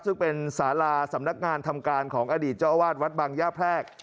ซึ่งเป็นสาราสำนักงานทำการของอดีตเจ้าอาวาสวัดบังย่าแพรก